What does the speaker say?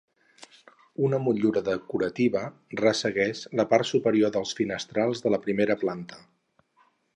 Una motllura decorativa ressegueix la part superior dels finestrals de la primera planta.